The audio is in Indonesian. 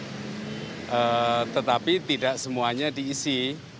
memang ada posisi wakil menteri tetapi tidak semuanya diisi